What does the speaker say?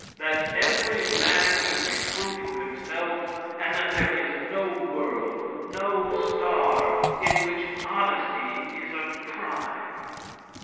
That every man should be true to himself, and that there is no world, no star, in which honesty is a crime.